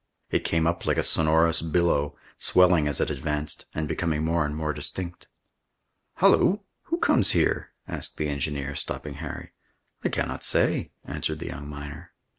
It came up like a sonorous billow, swelling as it advanced, and becoming more and more distinct. "Halloo! who comes here?" asked the engineer, stopping Harry. "I cannot say," answered the young miner.